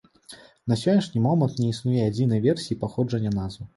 На сённяшні момант не існуе адзінай версіі паходжання назвы.